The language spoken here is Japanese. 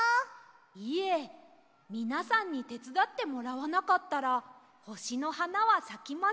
いえみなさんにてつだってもらわなかったらほしのはなはさきませんでした。